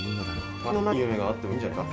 たあいのない夢があってもいいんじゃねえか？